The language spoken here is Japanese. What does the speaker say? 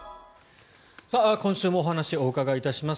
今週もお話お伺いします。